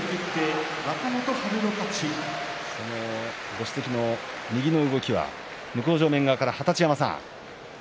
ご指摘の右の動きは向正面側から二十山さん